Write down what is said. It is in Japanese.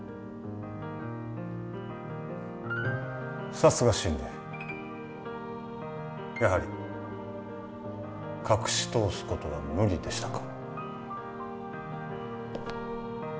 さすがシンディーやはり隠しとおすことは無理でしたか